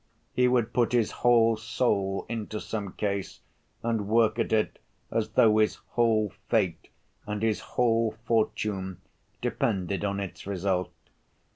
He would put his whole soul into some case and work at it as though his whole fate and his whole fortune depended on its result.